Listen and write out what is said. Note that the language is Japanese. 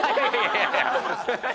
いやいや。